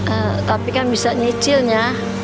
eh tapi kan bisa nyicil ya